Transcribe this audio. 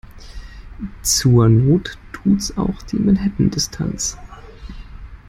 Zur Not tut's auch die Manhattan-Distanz.